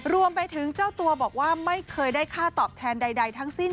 รวมไปถึงเจ้าตัวบอกว่าไม่เคยได้ค่าตอบแทนใดทั้งสิ้น